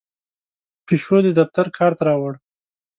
پیشو د دفتر کارت راوړ.